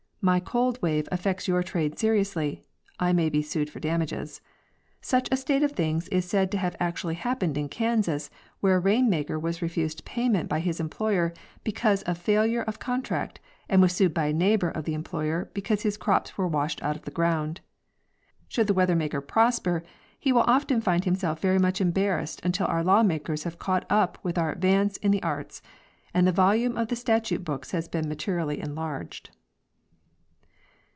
My cold wave affects your trade seriously ; I may be sued for damages. Such a state of things is said to have actually happened in Kansas, where a rain maker was refused payment by his employer because of failure of con tract, and was sued by a neighbor of the employer because his crops were washed out of the ground. Should the weather maker prosper he will often find himself very much embarrassed until our law makers have caught up with our advance in the arts, and the volume of the statute books has been materially enlarged.